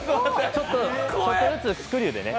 ちょっとずつ、スクリューでね。